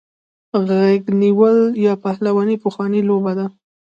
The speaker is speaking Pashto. غیږ نیول یا پهلواني پخوانۍ لوبه ده.